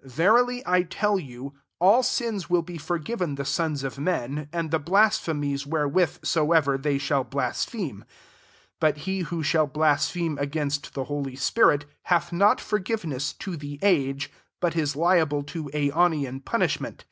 28 " Verily I tell you, Al^ sins will be forgiven the sons of men, and the blasphemies wherewith soever they shall blaspheme : 29 but he who shall blaspheme against the holy spirit, hath not forgive ness [to the age] ; but is liable to aionian punishment.''